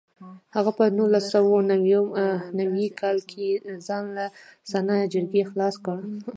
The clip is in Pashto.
هغه په نولس سوه نوي کال کې ځان له سنا جرګې خلاص کړ.